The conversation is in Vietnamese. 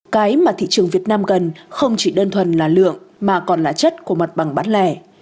cái mà thị trường việt nam gần không chỉ đơn thuần là lượng mà còn là chất của mặt bằng bán lẻ